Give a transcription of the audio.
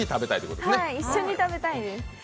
一緒に食べたいです。